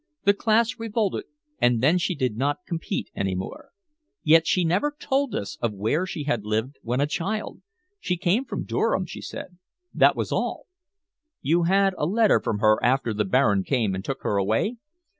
The class revolted, and then she did not compete any more. Yet she never told us of where she had lived when a child. She came from Durham, she said that was all." "You had a letter from her after the Baron came and took her away?"